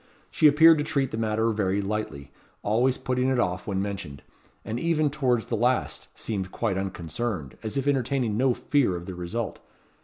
She appeared to treat the matter very lightly, always putting it off when mentioned; and even towards the last seemed quite unconcerned, as if entertaining no fear of the result.